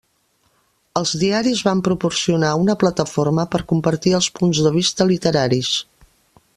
Els diaris van proporcionar una plataforma per compartir els punts de vista literaris.